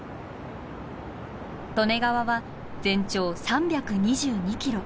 利根川は全長３２２キロ。